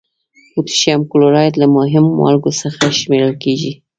پوتاشیم کلورایډ له مهمو مالګو څخه شمیرل کیږي.